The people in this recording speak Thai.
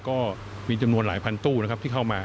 ก็มีจำนวนหลายพันตู้นะครับที่เข้ามา